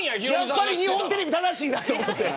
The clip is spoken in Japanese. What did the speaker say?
やっぱり日本テレビ正しいなと思って。